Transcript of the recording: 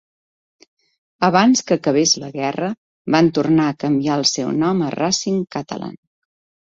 Abans que acabés la guerra, van tornar a canviar el seu nom a Racing Catalan.